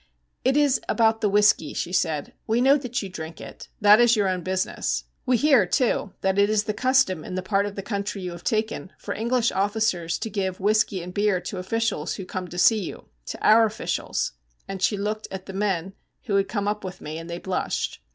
'It is about the whisky,' she said. 'We know that you drink it. That is your own business. We hear, too, that it is the custom in the part of the country you have taken for English officers to give whisky and beer to officials who come to see you to our officials,' and she looked at the men who had come up with me, and they blushed.